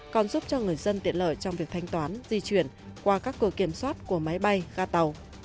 còn giúp cho người dân tiện lợi trong việc thanh toán di chuyển qua các cửa kiểm soát của máy bay ga tàu